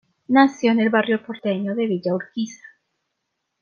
Nació en el barrio porteño de Villa Urquiza.